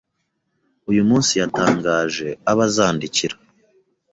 uyu munsi yatangaje abo azandikira